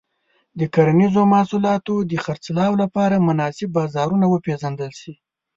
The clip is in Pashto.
د کرنيزو محصولاتو د خرڅلاو لپاره مناسب بازارونه وپیژندل شي.